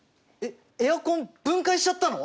エアコン分解しちゃったの！？